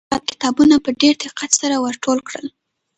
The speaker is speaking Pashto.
هغې خپل ټول پراته کتابونه په ډېر دقت سره ور ټول کړل.